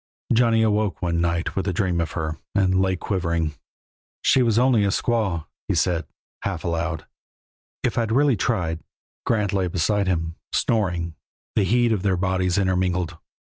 Johnny awoke one night with a dream of her, and lay quivering. "She was only a squaw," he said, half aloud. "If I'd really tried " Grant lay beside him, snoring, the heat of their bodies intermingled.